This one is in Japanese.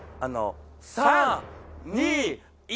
３・２・１。